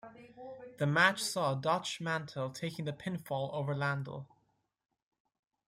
The match saw Dutch Mantell taking the pinfall over Landel.